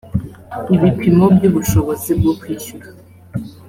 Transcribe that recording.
ibipimo by ubushobozi bwo kwishyura